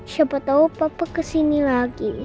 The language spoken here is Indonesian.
siapa tahu papa kesini lagi